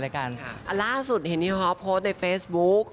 ล่าสุดเห็นที่ฮอลโพสต์ในเฟซบุ๊ก